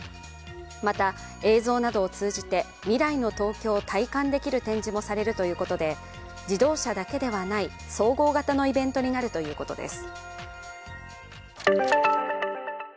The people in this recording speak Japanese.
また、映像などを通じて未来の東京を体感できる展示もされるということで自動車だけではない総合型のイベントになるということです。